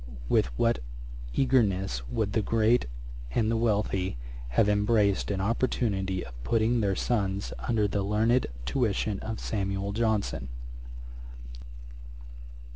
with what eagerness would the great and the wealthy have embraced an opportunity of putting their sons under the learned tuition of SAMUEL JOHNSON.